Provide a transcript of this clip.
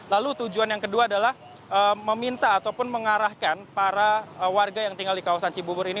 lalu tujuan yang kedua adalah meminta ataupun mengarahkan para warga yang tinggal di kawasan cibubur ini